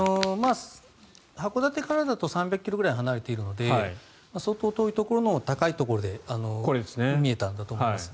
函館からだと３０ｋｍくらい離れているので相当、遠いところの高いところで見えたんだと思います。